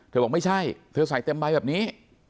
บอกไม่ใช่เธอใส่เต็มใบแบบนี้